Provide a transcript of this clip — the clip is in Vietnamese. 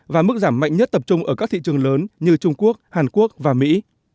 và mức giảm mạnh nhất tập trung ở các thị trường lớn như trung quốc hàn quốc và mỹ